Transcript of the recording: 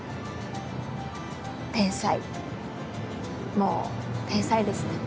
もう天才ですね。